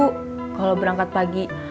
kalau berangkat pagi